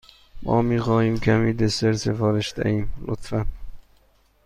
ما می خواهیم کمی دسر سفارش دهیم، لطفا.